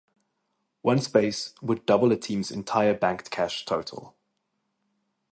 One space would double a team's entire banked cash total.